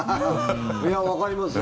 いや、わかります。